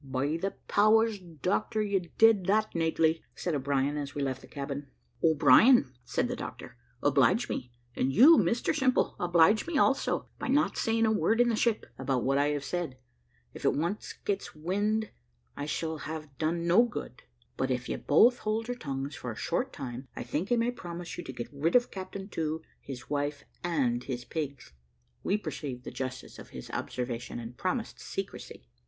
"By the powers, doctor, you did that nately," said O'Brien, as we left the cabin. "O'Brien," said the doctor, "oblige me, and you, Mr Simple, oblige me also, by not saying a word in the ship about what I have said; if it once gets wind, I shall have done no good; but if you both hold your tongues for a short time, I think I may promise you to get rid of Captain To, his wife, and his pigs." We perceived the justice of his observation, and promised secrecy.